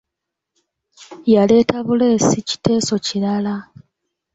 Yaleeta buleesi kiteeso kirala.